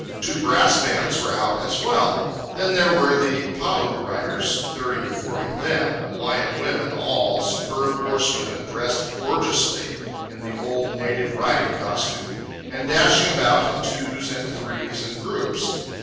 Two brass bands were out as well. Then there were the pa u riders, thirty or forty of them, Hawaiian women all, superb horsewomen dressed gorgeously in the old, native riding costume, and dashing about in twos and threes and groups.